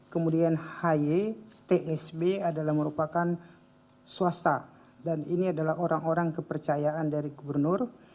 kemudian hi tsb adalah merupakan swasta dan ini adalah orang orang kepercayaan dari gubernur